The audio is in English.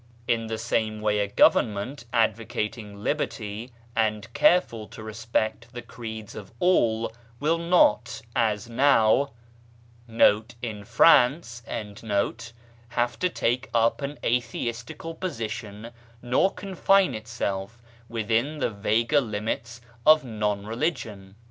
In the same way a government advocating liberty, and careful to respect the creeds of all, will not, as now, 1 have to take up an atheistical position nor confine itself within the vaguer limits of non religion.